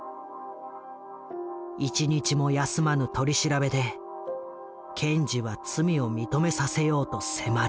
１日も休まぬ取り調べで検事は罪を認めさせようと迫る。